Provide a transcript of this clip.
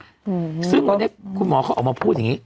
อืมซึ่งวันนี้คุณหมอเขาออกมาพูดอย่างงี้